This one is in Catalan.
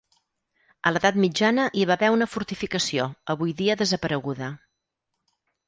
A l'edat mitjana hi va haver una fortificació, avui dia desapareguda.